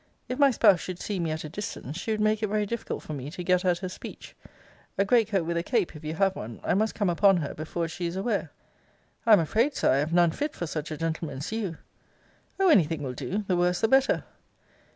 If my spouse should see me at a distance, she would make it very difficult for me to get at her speech. A great coat with a cape, if you have one. I must come upon her before she is aware. I am afraid, Sir, I have none fit for such a gentleman as you. O, any thing will do! The worse the better.